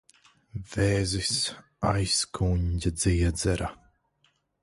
Vēzis. Aizkuņģa dziedzera.